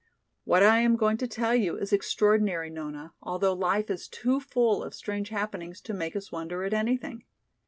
"What I am going to tell you is extraordinary, Nona, although life is too full of strange happenings to make us wonder at anything.